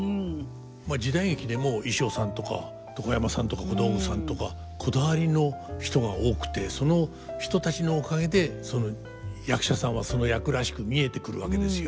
時代劇でも衣装さんとか床山さんとか小道具さんとかこだわりの人が多くてその人たちのおかげで役者さんはその役らしく見えてくるわけですよ。